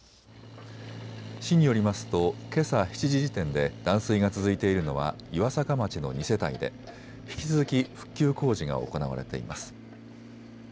市によりますと、けさ７時時点で断水が続いているのは岩坂町の２世帯で引き続き復旧工事が行われています。